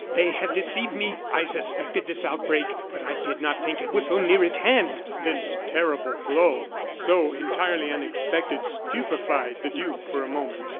they have deceived me. I suspected this outbreak, but I did not think it was so near at hand." This terrible blow, so entirely unexpected, stupefied the duke for a moment.